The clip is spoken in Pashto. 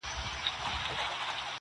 نه په كار مي پاچهي نه خزانې دي؛